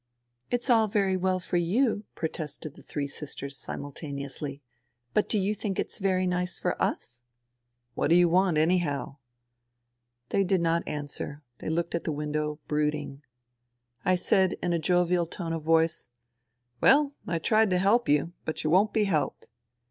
" It's all very well for you," protested the three sisters simultaneously. '' But do you think it's very nice for us ?"^" What do you want, anyhow ?" They did not answer ; they looked at the window, brooding. I said in a jovial tone of voice :" Well, I tried to help you. But you won't be helped."